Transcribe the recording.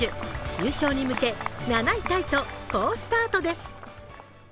優勝に向け７位タイと好スタートです。